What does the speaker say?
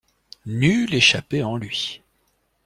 Nulle échappée en lui.